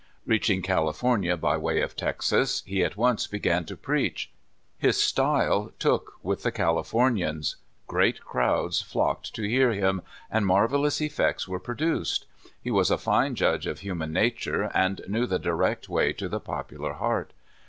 Reaching California by way of Texas, he at once began to preach. His style took with the Califor uians ; great crowds flocked to hear him, and mar velous effects were produced. He was a fine judge of human nature, and knew the direct way to the popular heart.